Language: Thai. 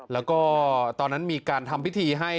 แล้วก็ตอนนั้นมีการทำพิธีให้